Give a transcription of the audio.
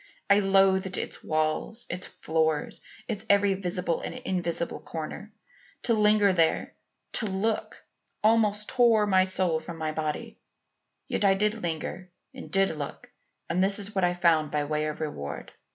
I loathed its walls, its floor, its every visible and invisible corner. To linger there to look almost tore my soul from my body; yet I did linger and did look and this is what I found by way of reward.